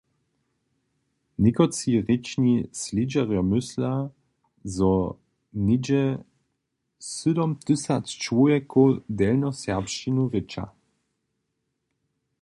Někotři rěčni slědźerjo mysla, zo něhdźe sydomtysac čłowjekow delnjoserbšćinu rěča.